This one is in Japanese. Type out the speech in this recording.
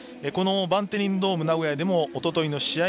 バンテリンドームナゴヤでもおとといの試合